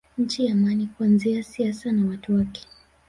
Nchi ya amani kuanzia siasa na watu wake